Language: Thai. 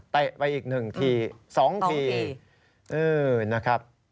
เตะไปอีก๑ที๒ทีนี่นะครับ